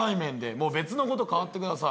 もう別の子と代わってください。